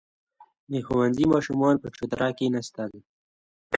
• د ښوونځي ماشومان پر چوتره کښېناستل.